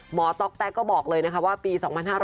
ต๊อกแต๊กก็บอกเลยนะคะว่าปี๒๕๕๙